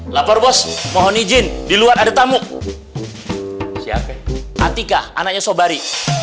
lapor bos mohon izin diluar ada tamu siapkan atika anaknya sobari